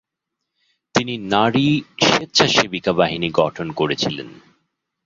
তিনি নারী স্বেচ্ছাসেবীকা বাহিনী গঠন করেছিলেন।